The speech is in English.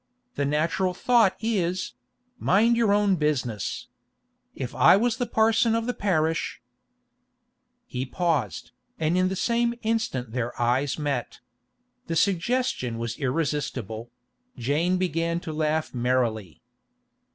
The natural thought is: Mind your own business. If I was the parson of the parish—' He paused, and in the same instant their eyes met. The suggestion was irresistible; Jane began to laugh merrily.